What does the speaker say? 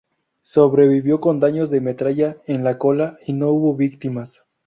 Sobrevivió con daños de metralla en la cola y no hubo víctimas.